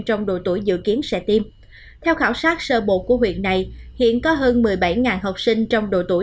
khảo sát ý kiến sẽ tiêm theo khảo sát sơ bộ của huyện này hiện có hơn một mươi bảy học sinh trong độ tuổi